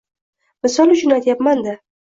Misol uchun aytyapman-da.